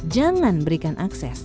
jangan berikan akses